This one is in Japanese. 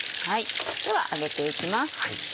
では上げて行きます。